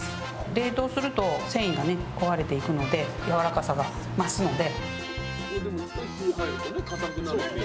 冷凍すると繊維がね壊れていくのでやわらかさが増すので。